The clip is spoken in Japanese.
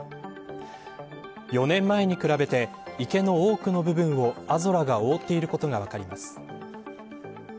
４年前に比べて池の多くの部分をアゾラが覆っていることが分かります。